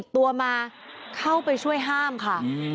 ตายหนึ่ง